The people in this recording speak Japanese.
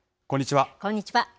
こんにちは。